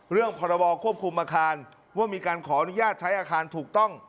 พรบควบคุมอาคารว่ามีการขออนุญาตใช้อาคารถูกต้อง